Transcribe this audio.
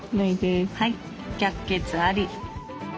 はい逆血あり。